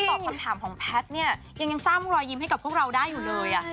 ตอบคำถามของแพทย์เนี่ยยังสร้างรอยยิ้มให้กับพวกเราได้อยู่เลย